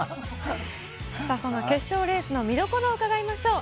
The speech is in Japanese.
その決勝レースの見どころを伺いましょう。